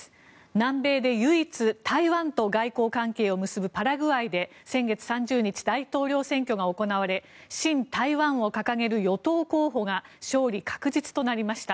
南米で唯一、台湾と外交関係を結ぶパラグアイで先月３０日、大統領選挙が行われ親台湾を掲げる与党候補が勝利確実となりました。